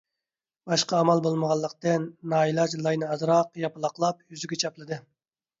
باشقا ئامال بولمىغانلىقتىن، نائىلاج لاينى ئازراق ياپىلاقلاپ يۈزىگە چاپلىدى.